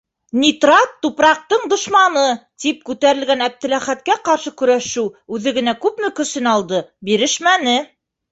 «Нитрат - тупраҡтың дошманы!» - тип күтәрелгән Әптеләхәткә ҡаршы көрәшеү үҙе генә күпме көсөн алды - бирешмәне.